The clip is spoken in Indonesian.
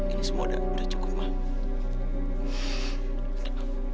ini semua udah cukup mah